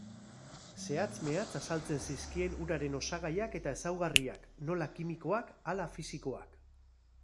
Zehatz-mehatz azaltzen zizkien uraren osagaiak eta ezaugarriak, nola kimikoak hala fisikoak.